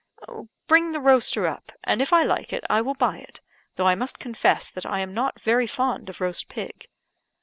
"Bring the roaster up; and if I like it, I will buy it, though I must confess that I am not very fond of roast pig."